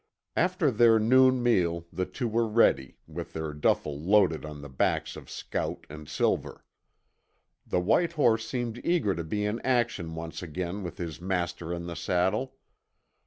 After their noon meal the two were ready, with their duffle loaded on the backs of Scout and Silver. The white horse seemed eager to be in action once again with his master in the saddle.